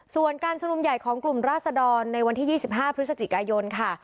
ส่วนการชุมนุมใหญ่ของกลุ่มราศดรในวันที่๒๕พฤศจิกายนค่ะ